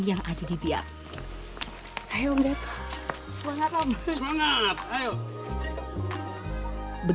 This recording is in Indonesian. pertama kali saya melihat pantai saya tertarik dengan pandai